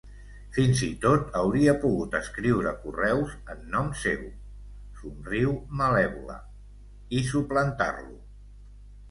Fins i tot hauria pogut escriure correus en nom seu —somriu malèvola—, i suplantar-lo.